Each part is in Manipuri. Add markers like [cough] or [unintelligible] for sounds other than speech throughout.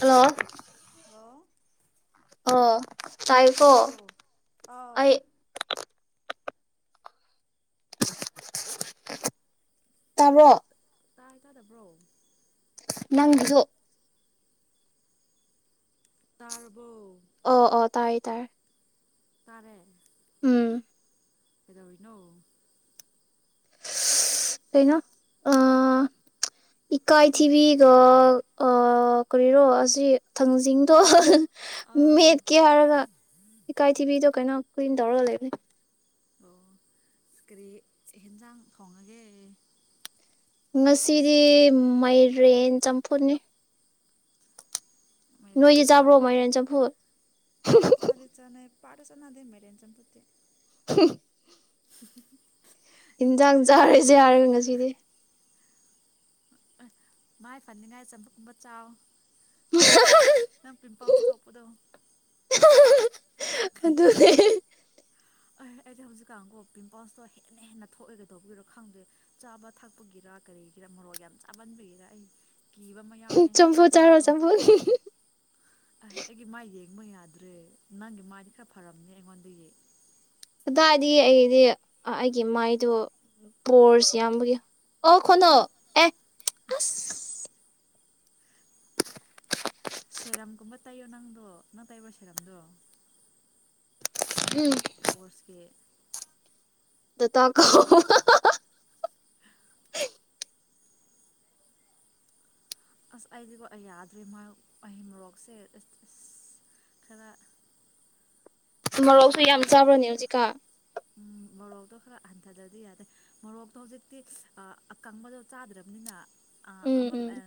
ꯍꯜꯂꯣ ꯍꯜꯂꯣ ꯑꯣ ꯇꯥꯏꯈꯣ ꯇꯥꯕ꯭ꯔꯣ ꯑꯥꯎ ꯑꯩ ꯇꯥꯕꯣ ꯇꯥꯏ ꯀꯥꯗꯕ꯭ꯔꯣ ꯅꯪ ꯇꯔ ꯑꯣ ꯑꯣ ꯇꯥꯏ ꯇꯥꯏ ꯇꯔꯦ ꯎꯝ ꯑꯦꯗ ꯑꯣꯏꯅꯣ ꯀꯩꯅꯣ ꯏꯀꯥꯏ ꯊꯤꯕꯤꯒ ꯀꯔꯤꯔꯣ ꯑꯁꯤ ꯊꯥꯡꯖꯤꯡꯗꯣ ꯑꯥ ꯃꯦꯠꯀꯦ ꯍꯥꯏꯔꯒ ꯏꯀꯥꯏ ꯊꯤꯕꯤꯗꯣ ꯀꯩꯅꯣ ꯀꯣꯏꯅꯗꯧꯔꯒ ꯂꯩꯕ ꯑꯣ ꯀꯔꯤ ꯍꯦꯟꯁꯥꯡ ꯊꯣꯡꯉꯒꯦ ꯉꯁꯤꯗꯤ ꯃꯥꯏꯔꯦꯟ ꯆꯝꯐꯨꯅꯤ ꯅꯣꯏꯗꯤ ꯆꯥꯕ꯭ꯔꯣ ꯃꯔ ꯆ ꯐꯨ ꯆꯂꯤ ꯆꯅꯦ ꯄꯥꯔꯁꯅ ꯑꯗꯨꯦ ꯃꯦꯔꯦꯟ ꯆꯄꯠꯇꯦ ꯍ ꯎ ꯏꯟꯖꯥꯡ ꯆꯥꯔꯁꯦ ꯌꯥꯔꯦꯒ ꯉꯁꯤꯗꯤ ꯃꯥꯏ ꯐꯅꯤꯡꯉꯥꯏ ꯆꯝꯕꯒꯨꯝꯕ ꯆꯥꯎ ꯄꯤꯕꯥ ꯍꯁꯇꯣꯛꯄꯗ ꯑꯗꯨꯅꯦ [unintelligible] ꯑꯦ ꯑꯩꯗꯤꯦ ꯍꯧꯖꯤꯛꯀꯥꯟꯕꯨꯣ ꯄꯤꯝꯄꯜꯁꯇꯣ ꯍꯦꯟꯅ ꯍꯦꯟꯅ ꯊꯣꯛꯑꯦꯒ ꯇꯧꯕꯤꯔꯣ ꯈꯪꯗ꯭ꯔꯦ ꯆꯥꯕ ꯊꯛꯄꯒꯤꯔ ꯀꯔꯤꯒꯤꯔ ꯃꯣꯔꯣꯛ ꯌꯥꯝ ꯆꯥꯍꯟꯕꯤꯒꯤꯔ ꯑꯩ ꯀꯤꯕ ꯑꯃ ꯌꯥꯎꯔꯛꯑꯦ ꯆꯄꯣ ꯆꯥꯔꯣ ꯆꯄ ꯑ ꯑꯩꯒꯤ ꯃꯥꯏ ꯌꯦꯡꯕ ꯌꯥꯗ꯭ꯔꯦ ꯅꯪꯒꯤ ꯃꯥꯏꯗꯤ ꯈꯔ ꯐꯔꯝꯅꯦ ꯑꯩꯉꯣꯟꯗꯒꯤ ꯑꯗꯨꯗꯥꯏꯗꯤ ꯑꯩꯗꯤ ꯑꯩꯒꯤ ꯃꯥꯏꯗꯣ ꯄꯣꯔꯁ ꯌꯥꯝꯕꯒꯤ ꯑꯣ ꯈꯨꯅ ꯅꯪ ꯑꯦ ꯑ ꯁꯦꯔꯝꯒꯨꯝꯕ ꯇꯥꯏꯌꯣ ꯅꯪꯗꯣ ꯅꯪ ꯇꯥꯏꯕ ꯁꯦꯔꯝꯗꯣ ꯎꯝ ꯋꯥꯁꯀꯦ ꯇ ꯇ ꯀꯣ ꯑꯁ ꯑꯩꯗꯤꯀꯣ ꯌꯥꯗ꯭ꯦ ꯃꯥ ꯑꯍꯩ ꯃꯔꯣꯛꯁꯦꯁ ꯑꯁ ꯈꯔ ꯃꯔꯣꯛꯁꯨ ꯌꯥꯝ ꯆꯥꯕ꯭ꯔꯅꯦ ꯍꯧꯖꯤꯛꯀꯥ ꯎ ꯃꯣꯔꯣꯛꯇꯣ ꯈꯔ ꯍꯟꯊꯗꯗꯤ ꯌꯥꯗꯦ ꯃꯣꯔꯣꯛꯇꯣ ꯍꯧꯖꯤꯛꯇꯤ ꯑꯀꯪꯕꯗꯣ ꯆꯥꯗ꯭ꯔꯕꯅꯤꯅ ꯑ ꯎꯝ ꯑꯃꯃꯜ ꯎꯝ ꯑ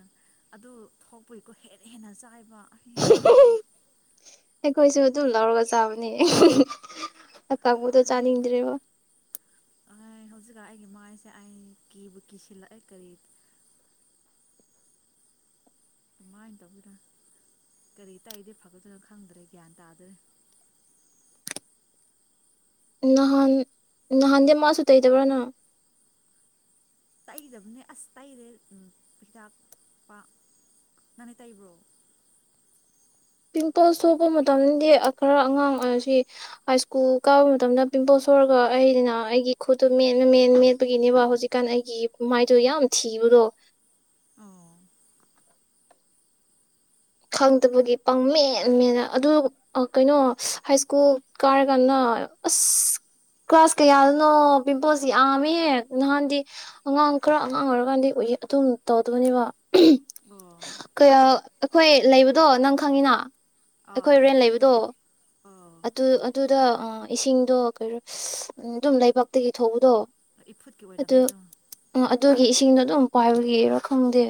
ꯑꯗꯨ ꯊꯣꯛꯄꯒꯤꯀꯣ ꯍꯦꯟꯅ ꯍꯦꯟꯅ ꯆꯥꯏꯕ ꯑꯩ ꯌꯥꯗ꯭ꯔꯦ [unintelligible] ꯑꯩꯈꯣꯏꯁꯨ ꯑꯗꯨꯝ ꯂꯧꯔꯒ ꯆꯥꯕꯅꯤ ꯑꯀꯕꯗꯣ ꯆꯥꯅꯤꯡꯗ꯭ꯔꯦꯕ ꯍꯧꯖꯤꯛꯀ ꯑꯩꯒꯤ ꯃꯥꯏꯁꯦ ꯑꯩ ꯀꯦꯕꯨ ꯀꯤꯁꯤꯜꯂꯛꯑꯦ ꯀꯔꯤ ꯑꯗꯨꯃꯥꯏꯅ ꯇꯧꯗꯅ ꯀꯔꯤ ꯇꯥꯛꯏꯗꯤ ꯐꯒꯗꯣꯏꯅꯥ ꯈꯪꯗ꯭ꯔꯦ ꯒ꯭ꯌꯥꯟ ꯇꯥꯗ꯭ꯔꯦ ꯅꯍꯥꯟ ꯅꯍꯥꯟꯗꯤ ꯃꯁ ꯇ ꯏꯗꯕꯅ ꯇꯛꯏꯗꯕꯅꯦ ꯑꯁ ꯇꯩꯔꯦ ꯍꯤꯗꯥꯛ ꯄ ꯅꯪꯅꯦ ꯇꯩꯕ꯭ꯔꯣ ꯄꯤꯝꯄꯜꯁ ꯁꯣꯛꯄ ꯃꯇꯝꯗꯤ ꯈꯔ ꯑꯉꯥꯡ ꯑꯣꯏꯁꯤ ꯍꯥꯏ ꯁ꯭ꯀꯨꯜ ꯀꯥꯕ ꯃꯇꯝꯗ ꯄꯤꯝꯄꯜꯁ ꯁꯔꯒ ꯑꯩꯅ ꯑꯩꯒꯤ ꯈꯨꯠꯇꯣ ꯃꯦꯠꯅ ꯃꯦ ꯃꯦꯠꯄꯒꯤꯅꯦꯕ ꯍꯧꯖꯤꯛꯀꯥꯟ ꯑꯩꯒꯤ ꯃꯥꯏꯗꯣ ꯌꯥꯝ ꯊꯤꯕꯗꯣ ꯑꯣ ꯈꯪꯗꯕꯒꯤ ꯄꯪ ꯃꯦꯟꯃꯦꯅ ꯑꯗꯨ ꯀꯩꯅꯣ ꯍꯥꯏ ꯁ꯭ꯀꯨꯜ ꯀꯥꯏꯔꯀꯥꯟꯗ ꯑꯁ ꯀ꯭ꯂꯥꯁ ꯀꯌꯥꯗꯅꯣ ꯄꯤꯝꯄꯜꯁ ꯌꯥꯝꯃꯦ ꯅꯍꯥꯟꯗꯤ ꯑꯉꯥꯡ ꯈꯔ ꯑꯉꯥꯡ ꯑꯣꯏꯔꯀꯥꯟꯗꯤ ꯎ ꯑꯗꯨꯝ ꯇꯧꯗꯣꯏꯅꯦꯕ ꯑꯣ ꯀꯌꯥ ꯍꯣꯏ ꯂꯩꯕꯗꯣ ꯅꯪ ꯈꯪꯉꯤꯅ ꯑꯩꯈꯣꯏ ꯑꯥ ꯍꯣꯔꯦꯟ ꯂꯩꯕꯗꯣ ꯑꯥ ꯑꯗꯨ ꯑꯗꯨ ꯑꯗ ꯏꯁꯤꯡꯗꯣ ꯀꯣ ꯑꯗꯨꯝ ꯂꯩꯕꯥꯛꯇꯒꯤ ꯊꯧꯕꯗꯣ ꯏꯐꯨꯠꯀꯤ ꯑꯗꯨ ꯑꯣꯏꯔꯝꯅꯤꯗꯣ ꯑꯗꯨꯒꯤ ꯆꯤꯡꯗꯣ ꯑꯗꯨꯝ ꯄꯥꯏꯕꯒꯤꯔꯣ ꯈꯪꯗꯦ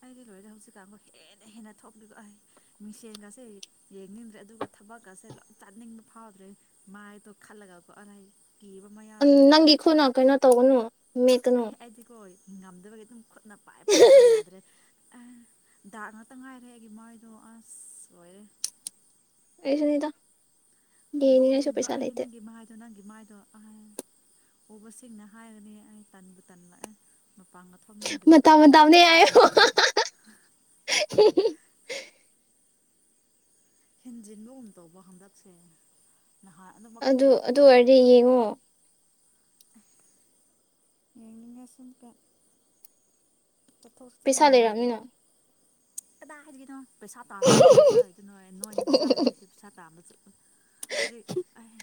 ꯑꯦ ꯑꯩꯗꯤ ꯂꯣꯏꯔꯦ ꯍꯧꯖꯤꯛꯀꯥꯟꯕꯨꯥꯎ ꯍꯦꯟꯅ ꯍꯦꯟꯅ ꯊꯣꯛꯂꯤꯕꯣ ꯑꯩ ꯃꯤꯡꯁꯦꯟꯒꯁꯦ ꯌꯦꯡꯅꯤꯡꯗ꯭ꯔꯦ ꯑꯗꯨꯒ ꯊꯕꯛꯀꯁꯦ ꯂꯣꯏ ꯇꯥꯅꯤꯡꯕ ꯐꯥꯎꯗ꯭ꯔꯦ ꯃꯥꯏꯗꯣ ꯈꯜꯂꯒꯀꯣ ꯑꯥꯏ ꯀꯤꯕ ꯑꯃ ꯎ ꯌꯥꯎꯔꯛꯑꯦ ꯅꯪꯒꯤꯈꯣꯟꯅ ꯀꯩꯅꯣ ꯇꯧꯒꯅꯨ ꯃꯦꯀꯅꯨ ꯑꯩ ꯑꯩꯗꯤꯀꯣ ꯉꯝꯗꯕꯒꯤ ꯑꯗꯨꯝ ꯈꯨꯠꯅ ꯄꯥꯏ ꯄꯥꯏꯄ ꯌꯥꯗ꯭ꯔꯦ ꯑꯦ ꯗꯥꯛ ꯉꯥꯛꯇ ꯉꯥꯏꯔꯦ ꯑꯩꯒꯤ ꯃꯣꯏꯗꯣ ꯑꯁ ꯂꯣꯏꯔꯦ ꯑꯦꯁꯨꯅꯤꯗ ꯎꯕ ꯈꯨꯗꯤꯡꯀꯣ ꯑꯩ ꯅꯪꯒꯤ ꯃꯥꯗꯣ ꯅꯪ ꯒꯤ ꯃꯥꯏꯗꯣ ꯑꯍ ꯎꯕꯁꯤꯡꯅ ꯍꯥꯏꯔꯒꯅꯤ ꯑꯩ ꯇꯟꯕꯨ ꯇꯟꯂꯛꯑꯦ ꯃꯄꯥꯡꯒ ꯊꯣꯛꯅꯤꯡꯗ꯭ꯔꯦ ꯃꯊ ꯃꯊꯗ ꯍꯥꯏꯣ ꯍꯦꯟꯖꯤꯟꯕꯒꯨꯝ ꯇꯧꯕ ꯍꯟꯗꯛꯁꯦ ꯅꯍꯥꯟ ꯑꯗꯨꯃꯛ ꯑꯗꯨ ꯑꯗꯨ ꯊꯣꯛꯇꯦꯕ ꯑꯣꯏꯔꯗꯤ ꯌꯦꯡꯉꯣ ꯌꯥ ꯂꯒꯁꯟ ꯀ ꯆꯠꯊꯣꯛ ꯆꯁꯤꯅ ꯄꯩꯁꯥ ꯂꯩꯔꯝꯅꯤꯅ ꯅꯨꯡꯉꯥꯏꯇꯕ ꯑꯗ ꯍꯥꯏꯅꯣ ꯄꯩꯁꯥ ꯇꯥꯟꯗꯔꯒ ꯃꯥꯏ ꯄꯩꯁꯥ ꯂꯩꯗꯣꯏꯅꯣ ꯅꯣꯏꯅꯤ ꯄꯩꯁꯥ ꯂꯩꯗꯣꯏꯁꯦ ꯄꯩꯁꯥ ꯇꯥꯟꯕ ꯆꯠꯂ ꯍꯧꯖꯤꯛ ꯑꯩ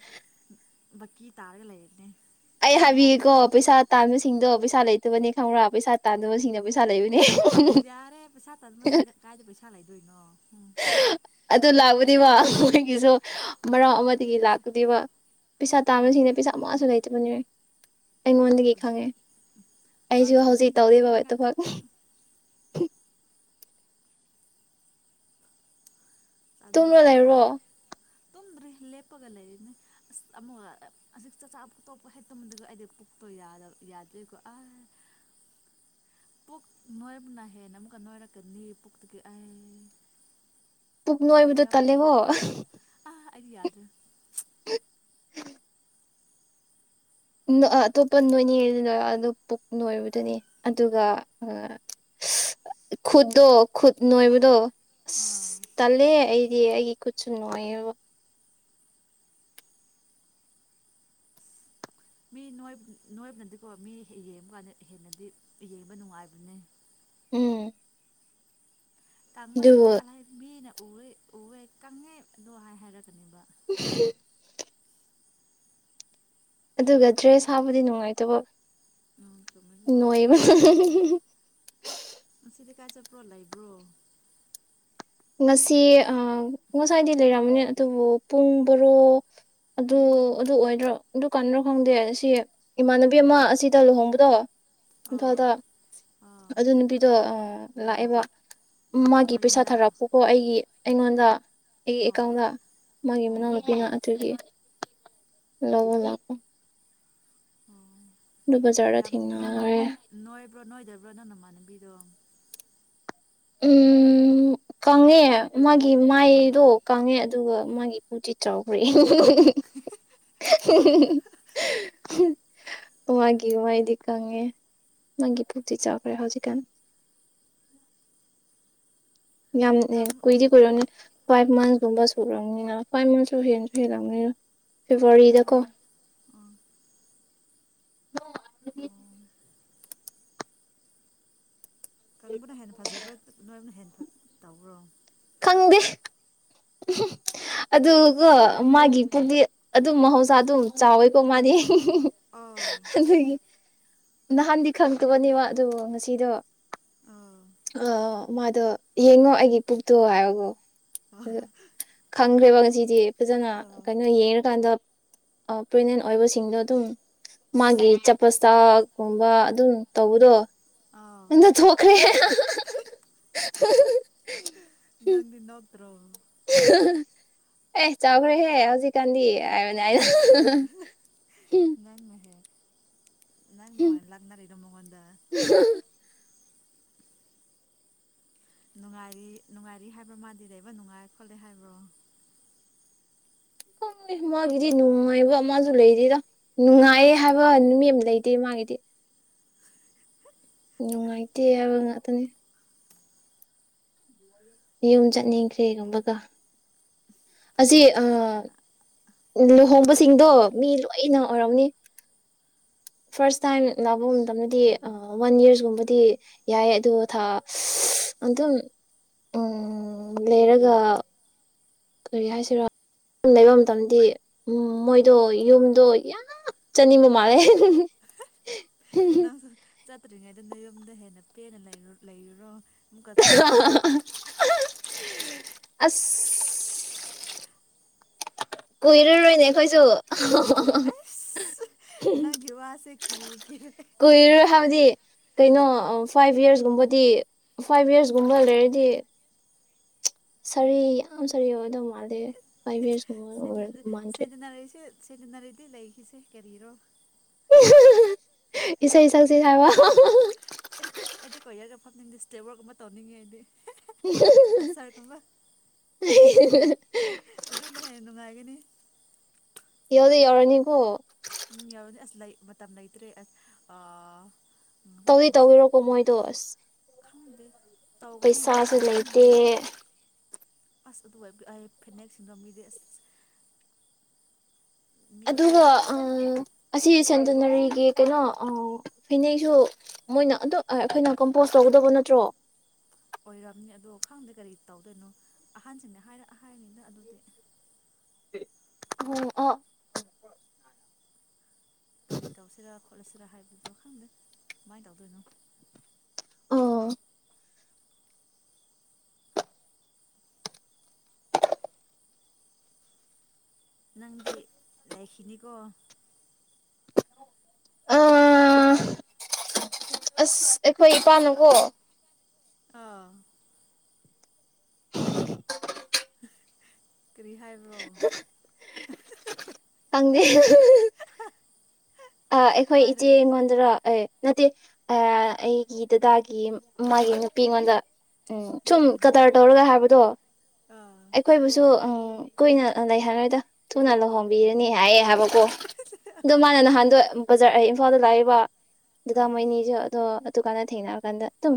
ꯕꯀꯤ ꯇꯔꯒ ꯂꯩꯅꯦ ꯑꯩ ꯍꯥꯏꯕꯤꯌꯦꯀꯣ ꯄꯩꯁꯥ ꯇꯥꯟꯕꯁꯤꯡꯗꯣ ꯄꯩꯁꯥ ꯂꯩꯇꯕꯅꯦ ꯈꯪꯕ꯭ꯔꯥ ꯄꯩꯁꯥ ꯇꯥꯟꯗꯕꯁꯤꯡꯅ ꯄꯩꯁꯥ ꯂꯩ ꯌꯥꯔꯦ ꯄꯩꯁꯥ ꯇ ꯑꯗꯨꯃꯁꯤꯡ ꯀꯥꯏꯗ ꯄꯩ ꯆꯂꯥꯏꯗꯣꯏꯅꯣ ꯑꯗꯨ ꯂꯥꯛꯕꯨꯗꯤ ꯋꯥ ꯑꯩꯈꯣꯏꯒꯤꯁꯨ ꯃꯔꯥꯎ ꯂꯥꯛꯇꯦ ꯑꯃꯗꯒꯤ ꯂꯥꯛꯇꯦ ꯂꯥꯛꯀꯗꯕ ꯄꯩꯁꯥ ꯂꯥꯛꯇꯦ ꯇꯥꯥꯟꯕꯁꯤꯡꯅ ꯄꯩꯁꯥ ꯂꯥꯛꯇꯦ ꯃꯛꯁꯨ ꯂꯩꯇꯕꯅꯦ ꯑꯩꯉꯣꯟꯗꯒꯤ ꯈꯪꯉꯦ ꯍꯧꯖꯤꯛ ꯑꯩꯁꯨ ꯍꯧꯖꯤꯛ ꯃꯤꯒꯤ ꯇꯧꯔꯤꯕ ꯄꯤꯅꯤꯡꯉꯥꯏ ꯑꯗꯨꯕꯛ ꯈꯛꯇꯪ ꯑꯥꯗꯕꯨꯣ ꯇꯨꯝꯔ ꯇꯂꯥꯛꯑꯦ ꯂꯩꯔꯣ ꯇꯨꯝꯗ꯭ꯔꯤ ꯂꯦꯞꯄꯒ ꯂꯩꯔꯤꯅꯦ ꯑꯁ ꯑꯃꯨꯛ ꯍꯧꯖꯤꯛ ꯆꯥꯛꯆꯥꯇꯣꯞꯄ ꯍꯦꯛꯇꯃꯗꯤꯀꯣ ꯑꯩꯗꯤ ꯄꯨꯛꯇꯣ ꯌꯥꯗꯦꯀꯣ ꯑ ꯄꯨꯨ ꯅꯣꯏꯕꯅꯅꯥ ꯍꯦꯅ ꯑꯃ ꯅꯣꯏꯔ ꯀ ꯅ ꯄ ꯄꯨ ꯇꯒꯦ ꯑ ꯄꯨꯛꯅꯤꯡꯅꯨꯡ ꯑꯣꯏꯕꯗ ꯇꯜꯂꯦꯕꯣ ꯑ ꯌꯥꯗ꯭ꯔꯦ ꯑꯇꯣꯞꯄ ꯅꯣꯏꯅꯤꯡꯉꯩꯗꯨꯗ ꯑꯗꯨ ꯄꯨꯛ ꯅꯣꯏꯕꯗꯨꯅꯤ ꯑꯗꯨꯒ ꯈꯨꯠꯇꯣ ꯈꯨꯠ ꯅꯣꯏꯕꯗꯣ ꯑꯥ ꯑꯁ ꯇꯜꯂꯦ ꯑꯩꯗꯤ ꯑꯩꯒꯤ ꯈꯨꯠꯁꯨ ꯅꯣꯏꯌꯦꯕ ꯃꯤ ꯅꯣꯏꯕꯅꯗꯤꯀꯣ ꯃꯤ ꯌꯦꯡꯕ ꯀꯥꯟꯗ ꯍꯦꯟꯅꯗꯤ ꯌꯦꯡꯕ ꯅꯨꯡꯉꯥꯏꯕꯅꯦ ꯎꯝ ꯑꯗꯨꯕꯨ ꯇꯥꯡꯕꯁꯤꯡꯗꯤ ꯑꯂꯥꯏ ꯃꯤꯅ ꯎꯦ ꯎꯋꯦ ꯀꯪꯉꯦꯗꯣ ꯍꯥꯏ ꯍꯥꯏꯔꯛꯀꯅꯦꯕ ꯎ [unintelligible] ꯑꯗꯨꯒ ꯗ꯭ꯔꯦꯁ ꯍꯥꯞꯕꯨꯗꯤ ꯅꯨꯡꯉꯥꯏꯇꯕ ꯎꯝ ꯆꯨꯝꯃꯦ ꯑꯗꯨꯁꯨ ꯅꯣꯏꯕ ꯍꯖꯤ ꯀꯥꯏ ꯆꯠꯄ꯭ꯔꯣ ꯂꯩꯕ꯭ꯔꯣ ꯉꯁꯤ ꯑ ꯉꯁꯥꯏꯗꯤ ꯂꯩꯔꯝꯝꯕꯅꯦ ꯑꯗꯨꯕꯨ ꯄꯨꯡ ꯕꯔꯣ ꯑꯗꯨ ꯑꯗꯨ ꯑꯣꯏꯗ꯭ꯔꯣ ꯑꯗꯨ ꯀꯥꯟꯅ꯭ꯔꯣ ꯈꯪꯗꯦ ꯑꯁꯤ ꯏꯃꯥꯟꯅꯕꯤ ꯑꯃ ꯑꯁꯤꯗ ꯂꯨꯍꯣꯡꯕꯗꯣ ꯑꯣ ꯏꯝꯐꯥꯜꯗ ꯑꯣ ꯑꯗꯨ ꯅꯨꯄꯤꯗꯣ ꯂꯥꯛꯑꯦꯕ ꯑꯣ ꯃꯥꯒꯤ ꯅꯣꯏ ꯄꯩꯁꯥ ꯌꯨꯝꯗ ꯊꯔꯛ ꯀꯣ ꯑꯩꯒꯤ ꯑꯩꯉꯣꯟꯗ ꯑꯩꯒꯤ ꯑꯣ ꯑꯦꯀꯥꯎꯟꯗ ꯃꯥꯒꯤ ꯑꯣ ꯃꯅꯥꯎꯅꯨꯄꯤꯅ ꯑꯗꯨꯒꯤ ꯂꯧꯕ ꯂꯥꯛꯄ ꯑꯣ ꯑꯗꯨꯕꯖꯥ ꯊꯦꯉꯅ ꯭ꯔꯥ ꯇꯅꯃꯅꯕꯤꯗ ꯎꯝ ꯀꯪꯉꯦ ꯃꯥꯒꯤ ꯃꯥꯏꯗꯣ ꯀꯪꯉꯦ ꯑꯗꯨꯒ ꯃꯥꯒꯤ ꯄꯨꯇꯤ ꯆꯥꯎꯈ꯭ꯔꯦ [unintelligible] ꯃꯥꯒꯤ ꯃꯥꯏꯗꯤ ꯀꯪꯉꯦ ꯃꯥꯒꯤ ꯄꯨꯇꯤ ꯆꯥꯎꯈ꯭ꯔꯦ ꯍꯧꯖꯤꯛꯀꯥꯟ ꯌꯥꯝ ꯀꯪ ꯀꯨꯏꯗꯤ ꯀꯨꯔꯣꯅ ꯐꯥꯏꯚ ꯃꯟꯁꯀꯨꯝꯕ ꯁꯨꯔꯛꯑꯅꯤꯅ ꯐꯥꯏꯚ ꯃꯟꯁꯁꯨ ꯍꯦꯟꯁꯨ ꯍꯦꯜꯂꯕꯅꯤꯅ ꯐꯦꯕꯋꯥꯔꯤꯗꯀꯣ ꯎꯝ ꯀꯪꯕꯅ ꯍꯦꯟꯅ ꯐꯖꯕ꯭ꯔꯥ ꯅꯣꯏꯕꯅ ꯍꯦꯟꯅ ꯇꯧꯕ꯭ꯔꯣ ꯈꯪꯗꯦ ꯑꯗꯨꯒ ꯃꯥꯒꯤ ꯄꯨꯗꯤ ꯑꯗꯨꯝ ꯃꯍꯧꯁꯥ ꯑꯗꯨꯝ ꯆꯥꯎꯋꯦꯀꯣ ꯃꯥꯅꯤ ꯑꯥꯎ ꯑꯗꯨꯒꯤ ꯅꯍꯥꯟꯗꯤ ꯈꯪꯗꯕꯅꯦꯕ ꯑꯗꯨ ꯉꯁꯤꯗꯣ ꯑꯥ ꯑ ꯃꯥꯗꯣ ꯌꯦꯡꯉꯣ ꯑꯩꯒꯤ ꯄꯨꯛꯇꯣ ꯍꯥꯏꯕꯒꯣ ꯑ ꯈꯪꯈ꯭ꯔꯦꯕ ꯉꯁꯤꯖꯦ ꯐꯖꯅ ꯑꯥ ꯀꯩꯅꯣ ꯌꯦꯡꯉꯀꯥꯟꯗ ꯄ꯭ꯔꯦꯒꯅꯦꯟ ꯑꯣꯏꯕꯁꯤꯡꯗꯣ ꯑꯗꯨꯝ ꯃꯥꯒꯤ ꯆꯄꯇꯥꯒꯨꯝꯕ ꯑꯗꯨꯝ ꯇꯧꯕꯗꯣ ꯑꯥꯎ ꯑꯗ ꯊꯣꯈꯔꯤꯦ ꯔꯣꯝ ꯑꯦ ꯆꯥꯎꯈꯔꯦꯍꯦ ꯍꯧꯖꯤꯛ ꯀꯥꯟꯗꯤ ꯅꯟ ꯃꯍꯦ ꯂꯪ ꯅ ꯂꯥꯛꯅꯔꯤꯗꯣ ꯃꯒꯣꯟꯗ ꯅꯨꯡꯉꯥꯏꯔꯤ ꯅꯨꯡꯉꯥꯏꯔꯤ ꯍꯥꯏꯕ꯭ꯔꯣ ꯃꯥꯗꯤ ꯂꯩꯕ ꯅꯨꯡꯉꯥꯏ ꯈꯣꯠꯂꯦ ꯍꯥꯏꯕ꯭ꯔꯣ ꯃꯥꯒꯤꯗꯤ ꯅꯨꯡꯉꯥꯏꯕ ꯑꯃꯁꯁꯨ ꯂꯩꯔꯤꯗ ꯅꯨꯡꯉꯥꯏꯌꯦ ꯍꯥꯏꯕ ꯅꯨꯃꯤꯠ ꯑꯃ ꯂꯩꯇꯦ ꯃꯥꯒꯤꯗꯤ ꯅꯨꯡꯉꯥꯏꯇꯦ ꯍꯥꯏꯕ ꯉꯥꯛꯇꯅꯤ ꯌꯨꯝ ꯆꯠꯅꯤꯡꯈ꯭ꯔꯦꯒꯨꯝꯕꯒ ꯑꯁꯤ ꯆꯠꯂꯣꯔꯦ ꯂꯨꯍꯣꯡꯕꯁꯤꯡꯗꯣ ꯃꯤ ꯂꯣꯏꯅ ꯑꯣꯏꯔꯝꯅꯤ ꯐꯥꯔꯁ ꯇꯥꯏꯝ ꯂꯥꯛꯄ ꯃꯇꯝꯗꯗꯤ ꯋꯥꯟ ꯌꯔꯁꯀꯨꯝꯕꯗꯤ ꯌꯥꯏ ꯑꯣ ꯊꯥ ꯑꯗꯨꯝ ꯂꯩꯔꯒ ꯀꯔꯤ ꯍꯥꯏꯁꯤꯔꯣ ꯂꯩꯕ ꯃꯇꯝꯗꯤ ꯎ ꯃꯣꯏꯗꯣ ꯌꯨꯝꯗꯣ ꯌꯥꯝ ꯆꯅꯤꯡꯕ ꯃꯥꯜꯂꯦ ꯆꯠꯇ꯭ꯔꯤꯉꯩꯗꯅ ꯌꯨꯝꯗ ꯍꯦꯟꯅ ꯄꯦꯟꯅ ꯂꯩꯔꯨꯔꯣ ꯑꯃꯨꯛꯀ ꯆꯠꯂꯒ ꯑꯁ ꯀꯨꯏꯔꯔꯣꯏꯅꯦ ꯈꯣꯏꯁꯨ ꯅ ꯌꯦꯕ ꯑꯁꯦ ꯀ ꯀ ꯀꯨꯏꯔꯣꯏ ꯍꯥꯏꯕꯗꯤ ꯀꯩꯅꯣ ꯐꯥꯏꯚ ꯌꯔꯁꯀꯨꯝꯕꯗꯤ ꯐꯥꯏꯚ ꯌꯔꯁꯀꯨꯝꯕ ꯂꯩꯔꯗꯤ ꯁꯥꯔꯤ ꯌꯥꯝ ꯁꯥꯔꯤ ꯑꯣꯏꯗꯧ ꯃꯥꯜꯂꯦ ꯐꯥꯏꯚ ꯌꯔꯁꯀ ꯁ ꯁꯔꯤ ꯅꯔꯦꯁ ꯁꯤꯦꯗꯅꯔꯤꯗꯤ ꯂꯩꯈꯤꯁꯦ ꯀꯔꯤꯔꯣ ꯏꯆꯔ ꯆꯥꯁꯤ ꯑꯦꯁ ꯑꯩꯗꯤ ꯀꯣꯔꯤꯌꯔꯒ ꯐꯝꯅꯤꯡꯗꯦ ꯏꯁꯇꯦꯝ ꯋꯥꯋꯔꯛ ꯑꯃ ꯇꯧꯅꯤꯡꯉꯦ ꯑꯩꯗꯤ ꯑꯁꯔꯒꯨꯝꯕ ꯑꯗꯨꯅ ꯍꯦꯟꯅ ꯅꯨꯡꯉꯥꯏꯒꯅꯤ ꯌꯦ ꯌꯎꯔꯅꯤꯒꯨ ꯎꯝ ꯌꯥꯎꯔꯅꯦ ꯑꯁ ꯂꯩ ꯃꯇꯝ ꯂꯩꯇ꯭ꯔꯦ ꯑꯁ ꯑ ꯇꯧꯗꯤꯤ ꯇꯧꯕꯤꯔꯣꯀꯣ ꯃꯣꯏꯗꯣ ꯑꯁ ꯈꯥꯎꯗ ꯄꯩꯁꯥꯁꯨ ꯂꯩꯇꯦ ꯑꯁ ꯑꯗꯨꯏ ꯐꯅꯦꯛ ꯁꯤꯟꯔꯝꯒꯤꯗꯤ ꯑꯁ ꯃꯤꯗꯤ ꯑꯗꯨꯒ ꯑꯁꯤ ꯀꯔꯤ ꯁꯦꯟꯇꯤꯅꯔꯤꯒꯤ ꯀꯩꯅꯣ ꯐꯤꯅꯦꯛꯁꯨ ꯃꯣꯏꯅ ꯑꯗꯨ ꯑꯩꯈꯣꯏꯅ ꯀꯝꯄꯣꯁ ꯇꯧꯒꯗꯕ ꯅꯠꯇ꯭ꯔꯣ ꯑꯣꯏꯔꯝꯅꯤ ꯑꯗꯣ ꯈꯪꯗꯦ ꯀꯔꯤ ꯇꯧꯗꯣꯏꯅꯣ ꯑꯍꯟꯁꯤꯡꯅꯦ ꯍꯥꯏꯔꯛꯑ ꯍꯥꯏꯅꯤꯅ ꯑꯗꯨꯗꯤ ꯑꯣꯝ ꯑ ꯒꯥꯔꯤ ꯇꯧꯁꯤꯔꯥ ꯈꯣꯠꯂꯁꯤꯔ ꯍꯥꯏꯕꯗꯣ ꯈꯪꯗꯦ ꯃꯥꯏ ꯇꯎꯗꯣꯏꯅꯨ ꯑ ꯅꯪꯗꯤ ꯂꯩꯈꯤꯅꯤꯀꯣ ꯑ ꯑꯁ ꯑꯩꯈꯣꯏ ꯏꯄꯥꯅꯨꯀꯣ ꯑꯥ ꯔꯤꯍꯥꯏꯕ꯭ꯔꯣ ꯍꯪꯦ ꯑ ꯑꯩꯈꯣꯏ ꯏꯆꯦ ꯍꯥꯏꯔꯒ ꯃꯟꯗ꯭ꯔ ꯑꯦ ꯅꯠꯇꯦ ꯑꯩꯒꯤ ꯗꯗꯥꯒꯤ ꯃꯥꯒꯤ ꯅꯨꯄꯤ ꯑꯩꯉꯣꯟꯗ ꯎꯝ ꯁꯨꯝ ꯀꯗꯥ ꯇꯧꯔꯒ ꯍꯥꯏꯕ ꯑꯗꯣ ꯑꯥ ꯑꯩꯈꯣꯏꯕꯨꯁꯨ ꯀꯨꯏꯅ ꯂꯩ ꯍꯥꯏꯔꯣꯏꯗ ꯊꯨꯅ ꯂꯨꯍꯣꯡꯕꯤꯔꯅꯤ ꯌꯥꯑꯌꯦꯦ ꯍꯥꯏꯕ ꯀꯣ ꯑꯗꯨ ꯃꯥꯅꯅ ꯍꯥꯟ ꯕꯖꯥ ꯑꯩ ꯏꯝꯐꯥꯜꯗ ꯂꯥꯛꯏꯕ ꯑꯗꯨꯗꯥ ꯑꯥ ꯃꯥꯏꯅꯤꯁꯨ ꯑꯣ ꯗꯨꯀꯥꯟꯗ ꯊꯦꯡꯅꯔꯀꯥꯟꯗ ꯑꯗꯨꯝ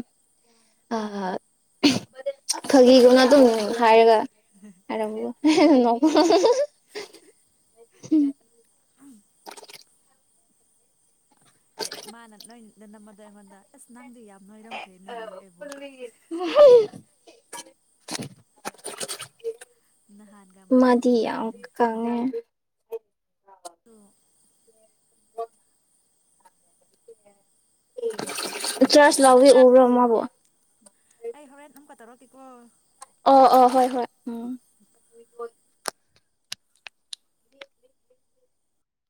ꯈꯥꯒꯤꯒꯨꯝꯅ ꯑꯗꯨꯝ ꯍꯥꯏꯔꯒ ꯑꯔꯝꯕꯨ ꯋꯥ [inaudible] ꯑꯦ ꯃꯥꯅ ꯅꯣꯏ ꯅꯃꯗ ꯑꯩꯃꯣꯟꯗ ꯑꯦꯁ ꯅꯪꯗꯤ ꯌꯥ ꯅꯣꯏꯔꯝꯈ꯭ꯔꯦꯅꯦ ꯍꯥꯏꯔꯛꯦꯕꯣ ꯅꯍꯥꯟꯒ ꯃꯗꯤ ꯃꯥꯟꯅꯗ꯭ꯔꯦꯅꯦ ꯍꯥꯏꯌꯦ ꯀꯉ ꯇꯣ [inaudible] ꯆꯥꯔꯖ ꯂꯥꯎꯋꯦ ꯎꯕ꯭ꯔꯣ ꯃꯥꯕꯨ ꯀꯣ ꯑꯣ ꯑꯣ ꯍꯣꯏ ꯍꯣꯏ ꯎꯝ